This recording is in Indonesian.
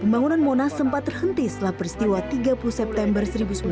pembangunan monas sempat terhenti setelah peristiwa tiga puluh september seribu sembilan ratus empat puluh